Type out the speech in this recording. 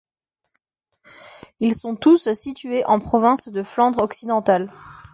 Ils sont tous situés en province de Flandre-Occidentale.